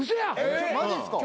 マジっすか？